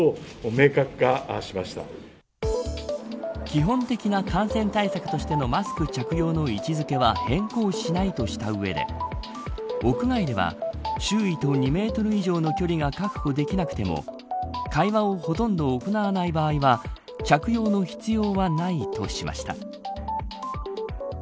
基本的な感染対策としてのマスク着用の位置付けは変更しないとしたうえで屋外では周囲と２メートル以上の距離が確保できなくても会話をほとんど行わない場合は着用の必要はないとしました。